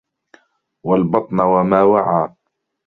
وَالْبَطْنَ وَمَا وَعَى